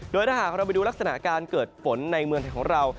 โดยถ้าหากเราไปดูลักษณะการเกิดฝนในเมืองไทยของเรา